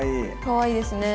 かわいいですね。